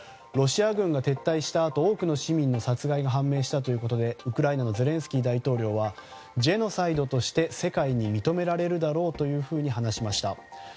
ロシア軍が撤退したあと多くの市民の殺害が判明したということでゼレンスキー大統領はジェノサイドとして世界に認められるだろうと話しました。